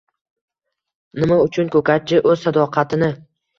Nima uchun ko‘katchi o‘z sadoqatini